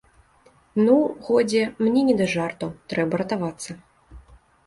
Ну, годзе, мне не да жартаў, трэба ратавацца.